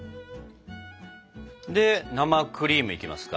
で生クリームいきますか？